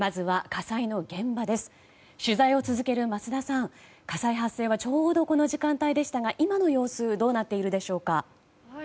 火災発生はちょうどこの時間帯でしたが今の様子どうなっているでしょうか？